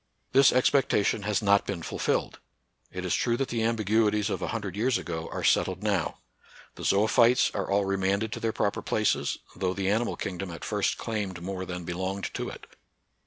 This expectation has not been fulfilled. It is true that the ambiguities of a hundred years ago are settled now. The zoophytes are all remanded to their proper places, though the animal kingdom at first claimed more than belonged to it.